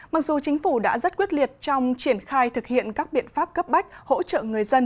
mặc dù chính phủ đã rất quyết liệt trong triển khai thực hiện các biện pháp cấp bách hỗ trợ người dân